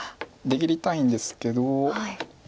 出切りたいんですけど。